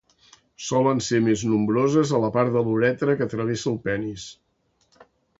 Solen ser més nombroses a la part de la uretra que travessa el penis.